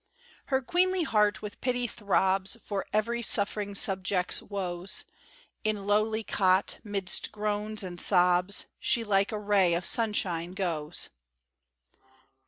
Her queenly heart with pity throbs For every suffering subject's woes; In lowly cot, 'midst groans and sobs, She like a ray of sunshine goes.